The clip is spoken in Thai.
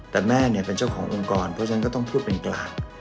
แต่แม่เป็นเจ้าขององค์กรเพราะฉะนั้นก็ต้องพูดเป็นกลาง